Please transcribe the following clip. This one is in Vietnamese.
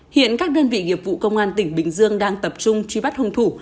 hiện các đơn vị nghiệp vụ công an tỉnh bình dương đang tập trung truy bắt hung thủ